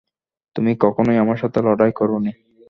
তুমি কখনোই আমার সাথে লড়াই করোনি।